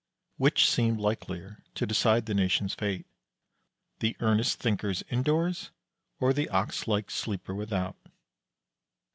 Which seemed likelier to decide the nation's fate, the earnest thinkers indoors, or the ox like sleeper without?